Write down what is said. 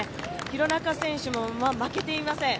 廣中選手も負けていません。